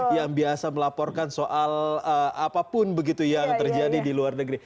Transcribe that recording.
yang biasa melaporkan soal apapun begitu yang terjadi di luar negeri